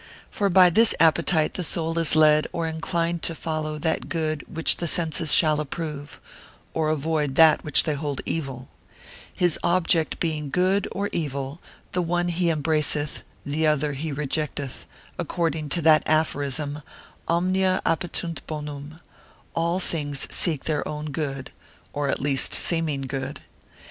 For by this appetite the soul is led or inclined to follow that good which the senses shall approve, or avoid that which they hold evil: his object being good or evil, the one he embraceth, the other he rejecteth; according to that aphorism, Omnia appetunt bonum, all things seek their own good, or at least seeming good.